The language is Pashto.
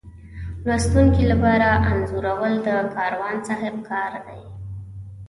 د لوستونکي لپاره انځورول د کاروان صاحب کار دی.